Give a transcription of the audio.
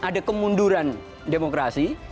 ada kemunduran demokrasi